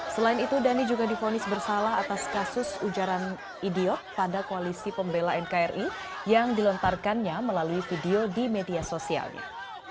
selain itu dhani juga difonis bersalah atas kasus ujaran idiot pada koalisi pembela nkri yang dilontarkannya melalui video di media sosialnya